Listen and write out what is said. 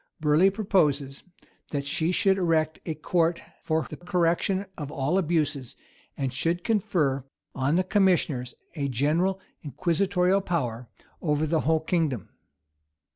Burleigh proposes, that she should erect a court for the correction of all abuses, and should confer on the commissioners a general inquisitorial power over the whole kingdom.